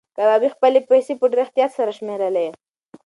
کبابي خپلې پیسې په ډېر احتیاط سره شمېرلې.